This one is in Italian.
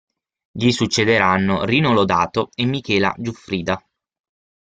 Gli succederanno Rino Lodato e Michela Giuffrida.